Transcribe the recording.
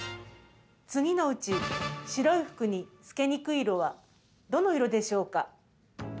次のうち白い服に透けにくい色はどの色でしょうか？